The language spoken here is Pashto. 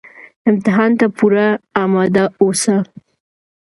امتحان ته پوره اماده اوسه